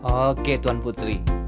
oke tuan putri